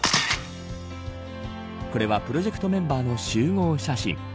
これはプロジェクトメンバーの集合写真。